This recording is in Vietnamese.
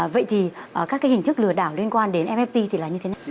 vậy thì các cái hình thức lừa đảo liên quan đến fpt thì là như thế nào